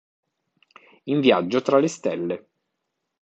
In viaggio tra le stelle